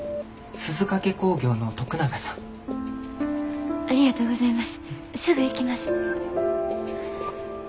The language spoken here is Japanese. すぐ行きます。